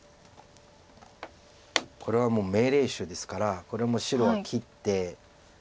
これはもう命令手ですからこれ白は切って。